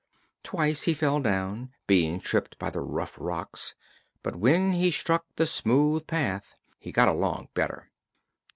Twice he fell down, being tripped by the rough rocks, but when he struck the smooth path he got along better.